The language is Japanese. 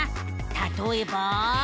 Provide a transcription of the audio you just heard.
たとえば。